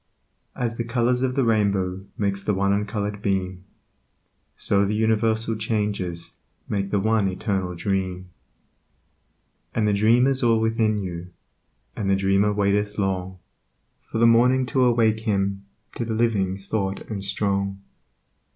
As the colors of the rainbow Makes the one uncolored beam, So the universal changes Make the One Eternal Dream. And the Dream is all within you, And the Dreamer waiteth long For the Morning to awake him To the living thought and strong.